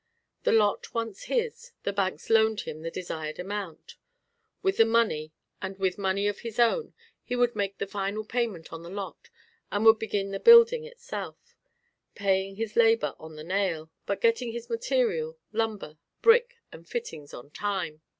The lot once his, the banks loaned him the desired amount. With this money and with money of his own he would make the final payment on the lot and would begin the building itself, paying his labour on the nail, but getting his material, lumber, brick and fittings on time.